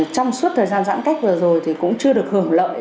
trong suốt thời gian giãn cách vừa rồi thì cũng chưa được hưởng lợi